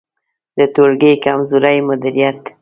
د ټولګي کمزوری مدیریت